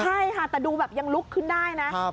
ใช่ค่ะแต่ดูแบบยังลุกขึ้นได้นะ